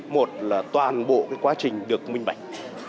một là toàn bộ quá trình được minh bảnh